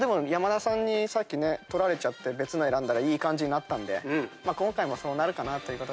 山田さんにさっきね取られて別の選んだらいい感じになったんで今回もそうなるかなと。